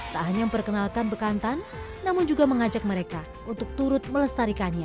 tak hanya memperkenalkan bekantan namun juga mengajak mereka untuk turut melestarikannya